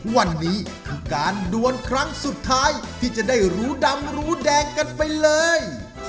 วันนี้คือการดวนครั้งสุดท้ายที่จะได้รู้ดำรู้แดงกันไปเลย